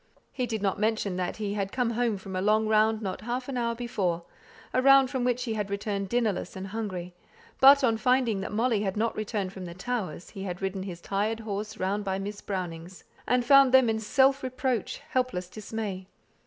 He did not mention that he had come home from a long round not half an hour before, a round from which he had returned dinnerless and hungry; but, on finding that Molly had not come back from the Towers, he had ridden his tired horse round by Miss Brownings', and found them in self reproachful, helpless dismay.